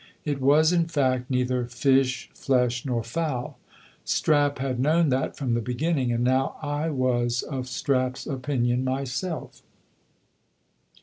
It was, in fact, neither fish, flesh, nor fowl. Strap had known that from the beginning, and now I was of Strap's opinion myself."